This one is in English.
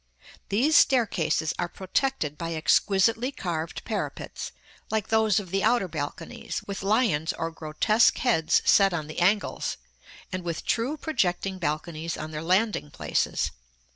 These staircases are protected by exquisitely carved parapets, like those of the outer balconies, with lions or grotesque heads set on the angles, and with true projecting balconies on their landing places.